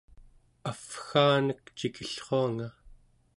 avvgaanek cikillruanga